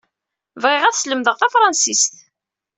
Bɣiɣ ad slemdeɣ tafransist.